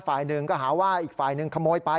ฝ่ายหนึ่งก็หาว่าอีกฝ่ายหนึ่งขโมยไป